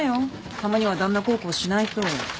たまには旦那孝行しないと。